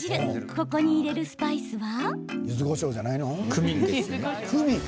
ここに入れるスパイスは。